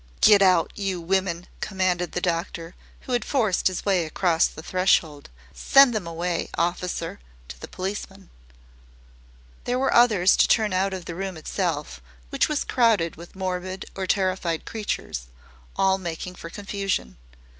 "Get out, you women," commanded the doctor, who had forced his way across the threshold. "Send them away, officer," to the policeman. There were others to turn out of the room itself, which was crowded with morbid or terrified creatures, all making for confusion.